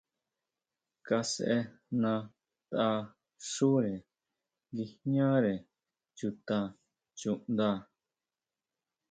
Kasʼejnatʼaxúre nguijñare chuta chuʼnda.